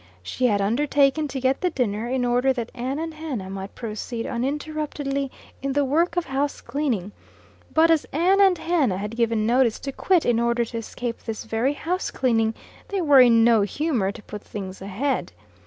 She had undertaken to get the dinner, in order that Ann and Hannah might proceed uninterruptedly in the work of house cleaning; but as Ann and Hannah had given notice to quit in order to escape this very house cleaning, they were in no humor to put things ahead.